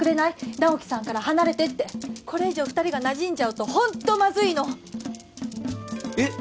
直木さんから離れてってこれ以上２人がなじんじゃうとホントまずいのえっ！？